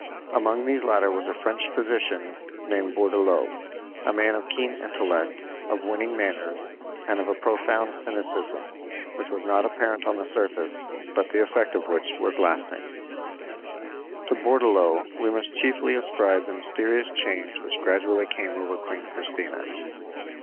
Among these latter was a French physician named Bourdelot a man of keen intellect, of winning manners, and of a profound cynicism, which was not apparent on the surface, but the effect of which last lasting. To Bourdelot we must chiefly ascribe the mysterious change which gradually came over Queen Christina.